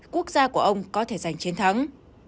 quốc gia của ông có thể giành chiến thắng